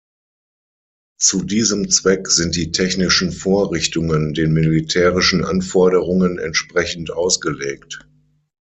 Zu diesem Zweck sind die technischen Vorrichtungen den militärischen Anforderungen entsprechend ausgelegt.